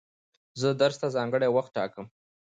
زه درس ته ځانګړی وخت ټاکم.